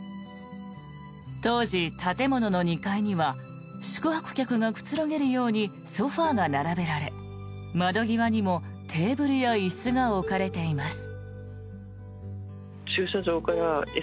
当時、建物の２階には宿泊客がくつろげるようにソファが並べられ窓際にもテーブルや椅子が置かれています。